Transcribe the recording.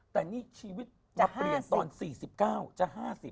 แต่นี่ชีวิตจะเปลี่ยนตอน๔๙จะ๕๐